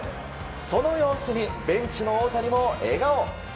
その様子にベンチの大谷も笑顔。